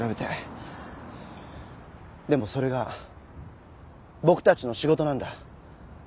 でもそれが僕たちの仕事なんだ。